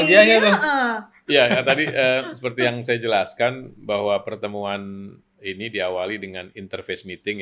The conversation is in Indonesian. ya tadi seperti yang saya jelaskan bahwa pertemuan ini diawali dengan interface meeting